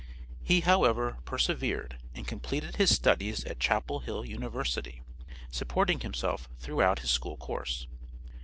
He, however, persevered and completed his studies at Chapel Hill University supporting himself throughout his school course.